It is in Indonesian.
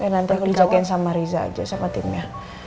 nanti aku dijagain sama riza aja sama timnya